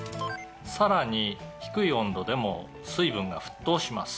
「さらに低い温度でも水分が沸騰します」